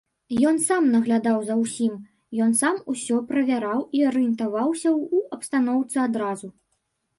Ён сам наглядаў за ўсім, ён сам усё правяраў і арыентаваўся ў абстаноўцы адразу.